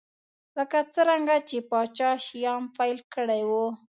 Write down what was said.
لکه څرنګه چې پاچا شیام پیل کړی و.